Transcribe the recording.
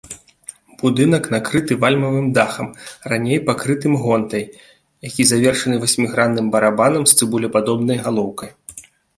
Будынак накрыты вальмавым дахам, раней пакрытым гонтай, які завершаны васьмігранным барабанам з цыбулепадобнай галоўкай.